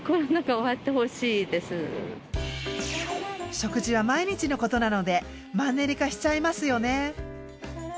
食事は毎日のことなのでマンネリ化しちゃいますよね。